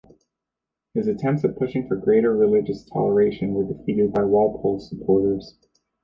His attempts at pushing for greater religious toleration were defeated by Walpole's supporters.